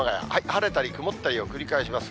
晴れたり曇ったりを繰り返します。